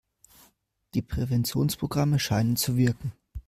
Die Präventionsprogramme scheinen zu wirken.